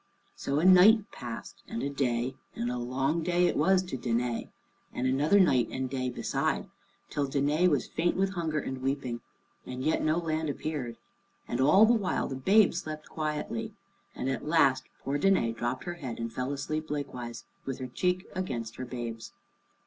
So a night passed and a day, and a long day it was to Danæ, and another night and day beside, till Danæ was faint with hunger and weeping, and yet no land appeared. And all the while the babe slept quietly, and at last poor Danæ drooped her head and fell asleep likewise, with her cheek against her babe's.